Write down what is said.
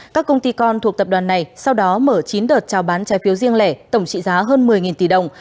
các công ty con thuộc tập đoàn này sau đó mở chín đợt trao bán trái phiếu riêng lẻ tổng trị giá hơn một mươi tỷ đồng